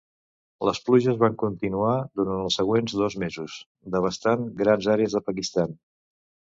Les pluges van continuar durant els següents dos mesos, devastant grans àrees del Pakistan.